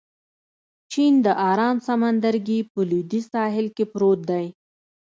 چین د ارام سمندرګي په لوېدیځ ساحل کې پروت دی.